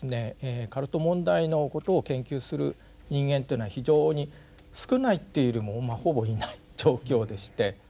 カルト問題のことを研究する人間っていうのは非常に少ないっていうよりもまあほぼいない状況でして。